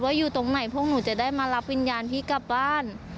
อยู่ตรงไหนพวกหนูจะได้มารับวิญญาณพี่กลับบ้าน